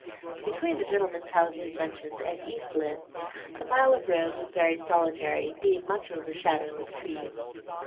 Between the gentlemen's houses mentioned and East Lynne, the mile of road was very solitary, being much overshadowed with trees.